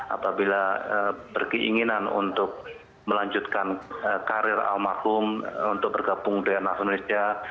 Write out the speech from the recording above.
apabila berkeinginan untuk melanjutkan karir almarhum untuk bergabung dengan indonesia